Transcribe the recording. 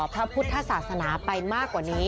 พระพุทธศาสนาไปมากกว่านี้